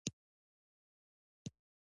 جلګه د افغانستان د اقلیمي نظام ښکارندوی ده.